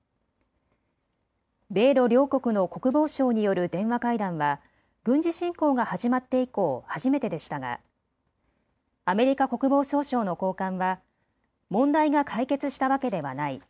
米ロ両国の国防相による電話会談は軍事侵攻が始まって以降、初めてでしたがアメリカ国防総省の高官は問題が解決したわけではない。